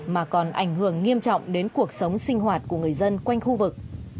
mà còn ảnh hưởng nghiêm trọng đến cuộc sống sinh hoạt của người dân quanh khu vực